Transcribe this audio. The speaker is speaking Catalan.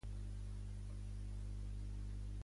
Anirem a Gata de Gorgos amb autobús.